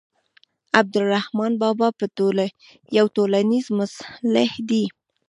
عبدالرحمان بابا یو ټولنیز مصلح دی.